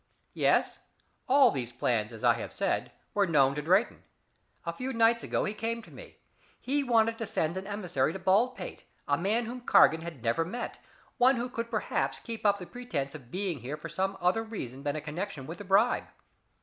"Yes? All these plans, as I have said, were known to Drayton. A few nights ago he came to me. He wanted to send an emissary to Baldpate a man whom Cargan had never met one who could perhaps keep up the pretense of being here for some other reason than a connection with the bribe.